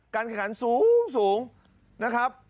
การการสูงนะครับ